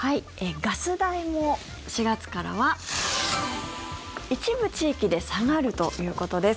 ガス代も４月からは一部地域で下がるということです。